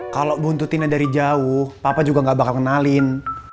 kalau buntutinnya dari jauh papa juga nggak bakal kenalin